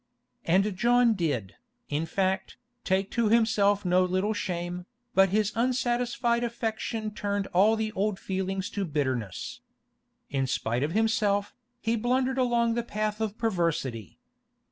And John did, in fact, take to himself no little shame, but his unsatisfied affection turned all the old feelings to bitterness. In spite of himself, he blundered along the path of perversity.